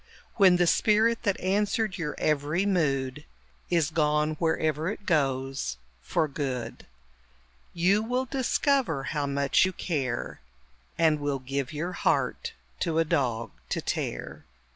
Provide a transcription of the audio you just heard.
When the spirit that answered your every mood Is gone wherever it goes for good, You will discover how much you care, And will give your heart to a dog to tear!